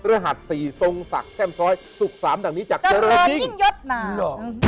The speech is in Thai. รหัส๔ทรงศักดิ์แชมพ์ทรอยสุข๓ดังนี้จากเจริร์ดจริงหล่อ